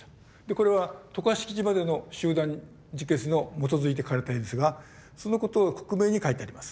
これは渡嘉敷島での集団自決の基づいて描かれた絵ですがそのことを克明に描いてあります。